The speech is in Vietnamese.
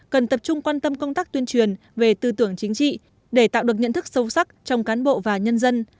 cần tập trung quan tâm công tác tuyên truyền về tư tưởng chính trị để tạo được nhận thức sâu sắc trong cán bộ và nhân dân